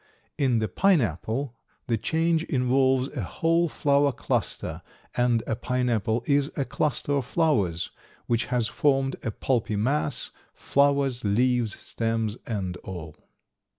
In the pineapple the change involves a whole flower cluster, and a pineapple is a cluster of flowers which has formed a pulpy mass, flowers, leaves, stems, and all.